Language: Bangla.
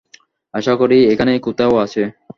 আশা করি এখানেই কোথাও আছে।